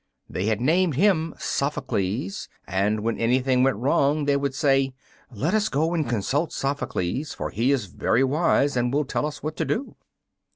They had named him Sophocles, and when anything went wrong they would say, "Let us go and consult Sophocles, for he is very wise and will tell us what to do."